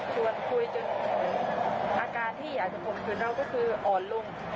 ส่วนคุยจนอาการที่อาจจะข่มขืนเราก็คืออ่อนลง